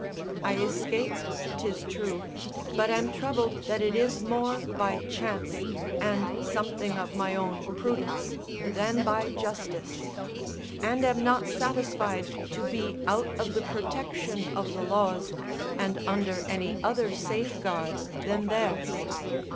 I escape, 'tis true, but am troubled that it is more by chance, and something of my own prudence, than by justice; and am not satisfied to be out of the protection of the laws, and under any other safeguard than theirs.